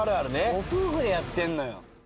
ご夫婦でやってんのよ。